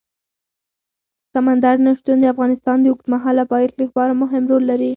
سمندر نه شتون د افغانستان د اوږدمهاله پایښت لپاره مهم رول لري.